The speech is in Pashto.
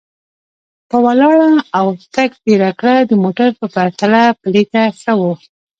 په ولاړه او تګ تېره کړه، د موټر په پرتله پلی تګ ښه و.